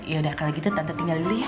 yaudah kalau gitu tante tinggal dulu ya